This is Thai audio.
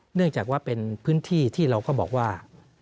เนื่องจากว่าเป็นพื้นที่ที่เราก็บอกว่า